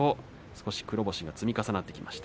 黒星が積み重なってきました。